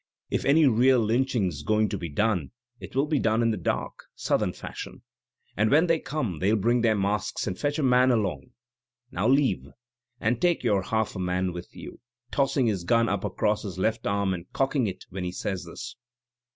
If any real lynching's going to be done it will be done in the dark. Southern fashion; and when they come they'U bring their masks, and fetch a man along. Now have — and take your half a man with you' — tossing his gun up across his left arm and qopking it when he says this.